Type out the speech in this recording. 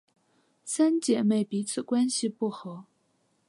三姐妹彼此关系不和。